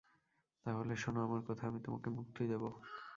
তা হলে শোনো আমার কথা, আমি তোমাকে মুক্তি দেব।